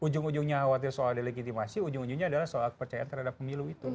ujung ujungnya khawatir soal delegitimasi ujung ujungnya adalah soal kepercayaan terhadap pemilu itu